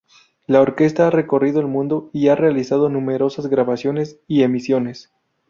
La orquesta ha recorrido el mundo y ha realizado numerosas grabaciones y emisiones.